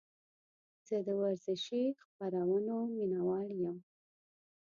زه د ورزشي خپرونو مینهوال یم.